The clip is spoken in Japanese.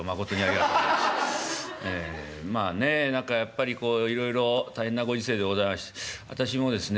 ええまあねえ何かやっぱりこういろいろ大変なご時世でございまして私もですね